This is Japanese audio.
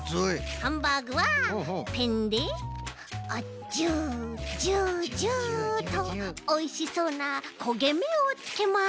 ハンバーグはペンでジュジュジュっとおいしそうなこげめをつけます。